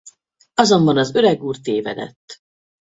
Azonban az öreg úr tévedett.